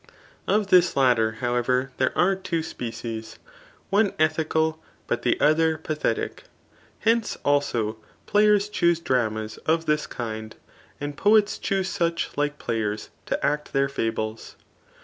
Of this latter, however, there are two qtedes ; one ethical, but the other pathedc. Hence, also, players chose dramas of this kind, and poets chuse sudi like players [to act their fables.